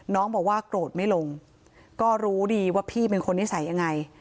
น้องบอกว่าโกรธไม่ลงก็รู้ดีว่าพี่เป็นคนนิสัยยังไง